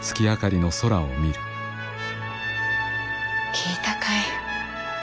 聞いたかい？